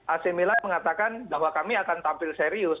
ac mila mengatakan bahwa kami akan tampil serius